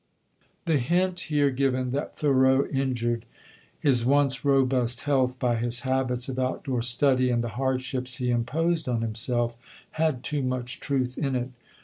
The hint here given that Thoreau injured his once robust health by his habits of out door study and the hardships he imposed on himself, had too much truth in it.